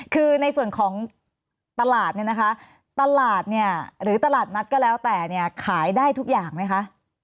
คือในส่วนของตลาดเนี่ยนะคะตลาดเนี่ยหรือตลาดนัดก็แล้วแต่เนี่ยขายได้ทุกอย่างไหมคะ